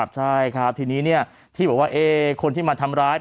ใช่ครับทีนี้ที่บอกว่าคนที่มาทำร้าย